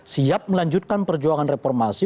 siap melanjutkan perjuangan reformasi